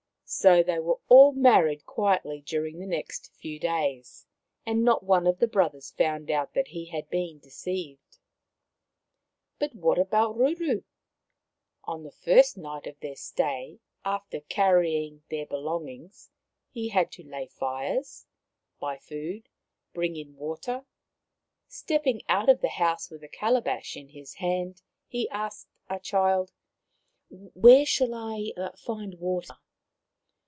So they were all married quietly during the next few days, and not one of the brothers found out that he had been deceived. But what about Ruru ? On the first night of their stay, after carrying their belongings, he had to lay fires, buy food, bring in water. Step ping out of the house with a calabash in his hand, he asked a child: "Where shall I find water